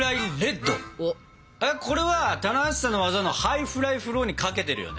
あっこれは棚橋さんの技のハイフライフローにかけてるよね？